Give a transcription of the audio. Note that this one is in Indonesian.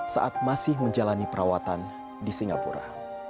saat masih menjalani perawatan di singapura